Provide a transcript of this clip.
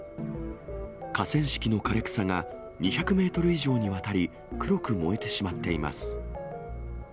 河川敷の枯れ草が、２００メートル以上にわたり、黒く燃えてしまっています。